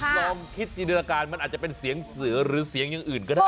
ลองคิดจินตนาการมันอาจจะเป็นเสียงเสือหรือเสียงอย่างอื่นก็ได้